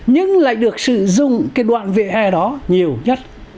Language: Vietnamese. nhưng lại được sử dụng cái đoạn vỉa hè đó nhiều nhất